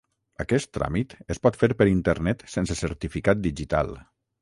Aquest tràmit es pot fer per internet sense certificat digital.